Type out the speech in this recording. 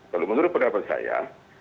kalau menurut pendapat saya